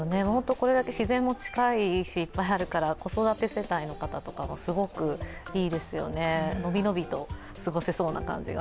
これだけ自然も近いしいっぱいあるから子育て世帯の方とかはすごくいいですよね、のびのびと過ごせそうな感じが。